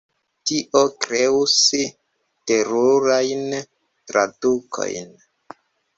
Tio kreus terurajn tradukojn.